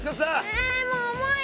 えもう重い！